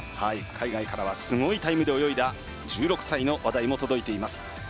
海外からはすごいタイムで泳いだ１６歳の話題も届いています。